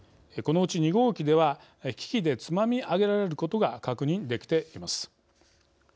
このうち２号機では機器でつまみ上げられることが確認できています。